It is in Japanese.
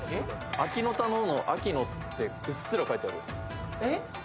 「あきのたの」の「あきの」ってうっすら書いてあるえっ？